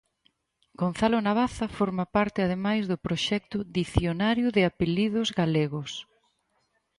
Gonzalo Navaza forma parte ademais do proxecto Dicionario de apelidos galegos.